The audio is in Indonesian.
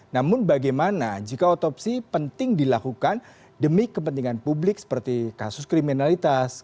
namun bagaimana jika otopsi penting dilakukan demi kepentingan publik seperti kasus kriminalitas